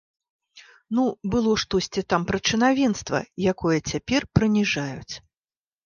Ну, было штосьці там пра чынавенства, якое цяпер прыніжаюць.